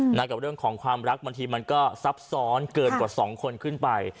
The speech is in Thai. กับเรื่องของความรักบางทีมันก็ซับซ้อนเกินกว่าสองคนขึ้นไป